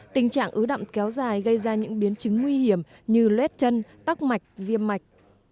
tình trạng ứ động kéo dài gây ra những biến chứng nguy hiểm như lét chân tắc mạch viêm mạch